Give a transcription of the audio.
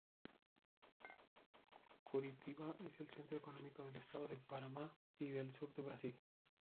Curitiba es el centro económico del estado de Paraná y del sur del Brasil.